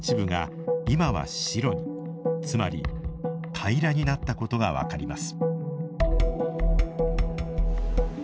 つまり平らになったことが分かります。